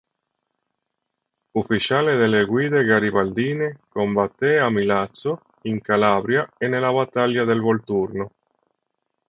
Ufficiale delle guide garibaldine, combatté a Milazzo, in Calabria e nella battaglia del Volturno.